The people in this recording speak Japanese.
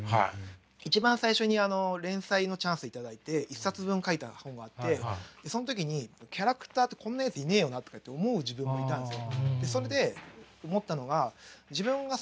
一番最初にあの連載のチャンス頂いて１冊分描いた本があってその時にキャラクターってこんなやついねえよなとかって思う自分もいたんですよ。